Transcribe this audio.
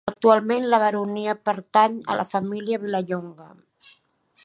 Actualment la baronia pertany a la família Vilallonga.